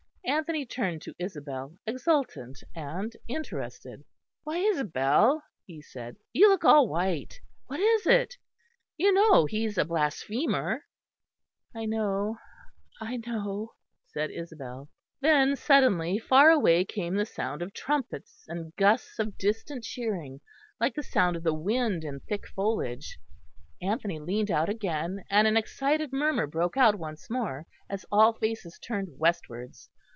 Anthony turned to Isabel, exultant and interested. "Why, Isabel," he said, "you look all white. What is it? You know he's a blasphemer." "I know, I know," said Isabel. Then suddenly, far away, came the sound of trumpets, and gusts of distant cheering, like the sound of the wind in thick foliage. Anthony leaned out again, and an excited murmur broke out once more, as all faces turned westwards.